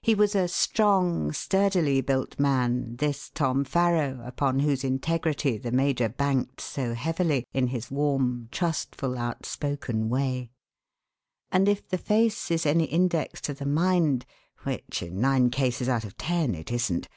He was a strong, sturdily built man, this Tom Farrow, upon whose integrity the major banked so heavily in his warm, trustful, outspoken way; and if the face is any index to the mind which, in nine cases out of ten, it isn't!